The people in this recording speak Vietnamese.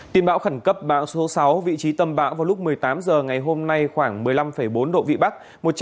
tin bão khẩn cấp bão số sáu vị trí tâm bão vào lúc một mươi tám h ngày hôm nay khoảng một mươi năm bốn độ vĩ bắc